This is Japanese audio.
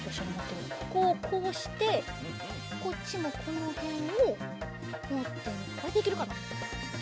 ここをこうしてこっちもこのへんをもってこれでいけるかな？